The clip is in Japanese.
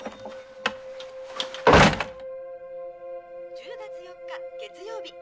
１０月４日月曜日。